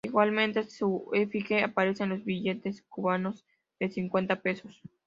Igualmente, su efigie aparece en los billetes cubanos de cincuenta pesos.